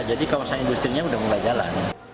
jadi kawasan industri sudah mulai jalan